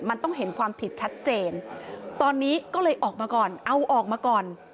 มันต้องเห็นความผิดชัดเจนตอนนี้ก็เลยออกมาก่อนเอาออกมาก่อน